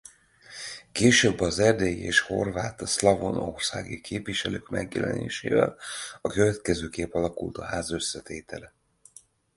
Később az erdélyi és horvát-szlavónországi képviselők megjelenésével a következőképp alakult a Ház összetétele.